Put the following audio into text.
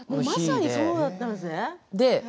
まさにそうだったんですね。